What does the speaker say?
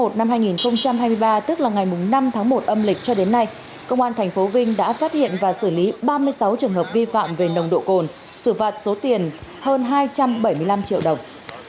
tính từ ngày hai mươi sáu tháng một năm hai nghìn hai mươi ba tức là ngày năm tháng một âm lịch cho đến nay công an tp hcm đã phát hiện và xử lý ba mươi sáu trường hợp vi phạm về nồng độ cồn xử phạt số tiền hơn hai trăm bảy mươi năm triệu đồng